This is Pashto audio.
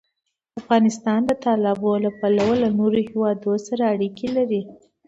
افغانستان د تالابونه له پلوه له نورو هېوادونو سره اړیکې لري.